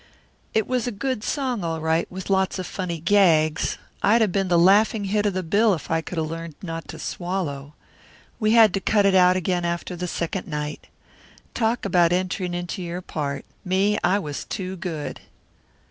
It was a good song, all right, with lots of funny gags. I'd 'a' been the laughing hit of the bill if I could 'a' learned not to swallow. We had to cut it out again after the second night. Talk about entering into your part. Me? I was too good."